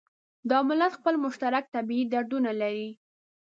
دا ملت خپل مشترک طبعي دردونه لري.